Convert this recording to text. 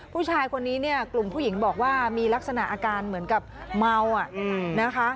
ผู้ชายคนนี้เนี่ยกลุ่มผู้หญิงบอกว่ามีลักษณะอาการเหมือนกับเมานะคะ